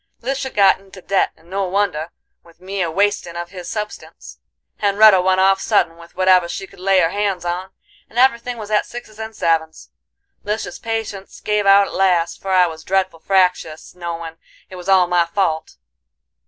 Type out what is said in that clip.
"Lisha got into debt, and no wonder, with me a wastin' of his substance; Hen'retta went off suddin', with whatever she could lay her hands on, and everything was at sixes and sevens. Lisha's patience give out at last, for I was dreadful fractious, knowin' it was all my fault.